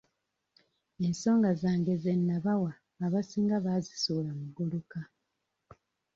Ensonga zange ze nnabawa abasinga baazisuula muguluka.